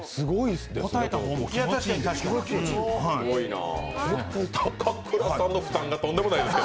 答えた方も気持ちいいんです。